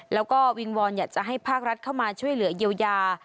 แล้วก็วิงวอนอยากจะให้ภาครัฐเข้ามาช่วยเหลือเยียวยา